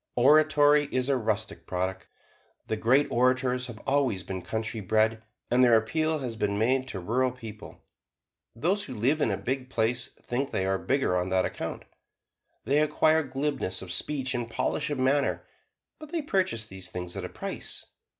Oratory is a rustic product. The great orators have always been country bred, and their appeal has been made to rural people. Those who live in a big place think they are bigger on that account. They acquire glibness of speech and polish of manner; but they purchase these things at a price.